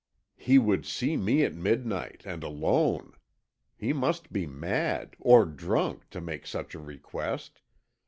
He would see me at midnight and alone! He must be mad, or drunk, to make such a request.